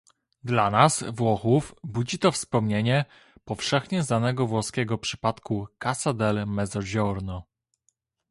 Dla nas, Włochów, budzi to wspomnienie powszechnie znanego włoskiego przypadku Cassa del Mezzogiorno